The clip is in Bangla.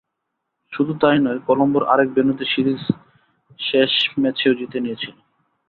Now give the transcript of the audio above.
শুধু তা-ই নয়, কলম্বোর আরেক ভেন্যুতে সিরিজে শেষ ম্যাচও জিতে নিয়েছিল।